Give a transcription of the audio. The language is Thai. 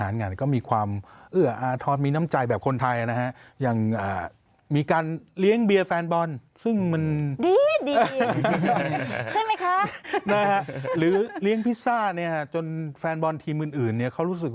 รักคุณผู้ชมยาวอย่างนั้นอย่างนี้